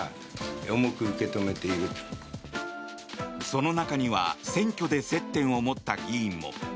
その中には選挙で接点を持った議員も。